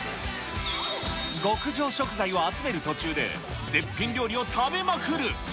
極上食材を集める途中で、絶品料理を食べまくる。